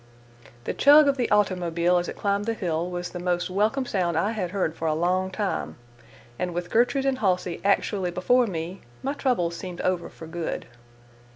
The chug of the automobile as it climbed the hill was the most welcome sound I had heard for a long time, and with Gertrude and Halsey actually before me, my troubles seemed over for good.